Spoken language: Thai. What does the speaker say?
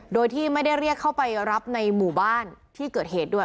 โดยที่ไม่ได้เรียกเข้าไปรับในหมู่บ้านที่เกิดเหตุด้วย